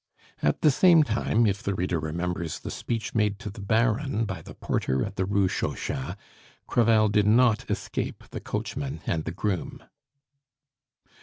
At the same time, if the reader remembers the speech made to the Baron by the porter at the Rue Chauchat, Crevel did not escape the coachman and the groom.